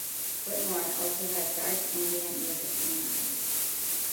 Whitmore also had Dark Ambient music in mind.